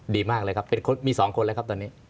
ดีมากเลยครับมี๒คนแล้วครับตอนนี้